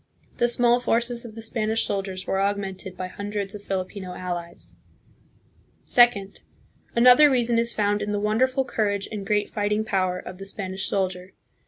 The small forces of the Spanish soldiers were augmented by hun dreds of Filipino allies. Second. Another reason is found in the wonderful courage and great fighting power of the Spanish soldier.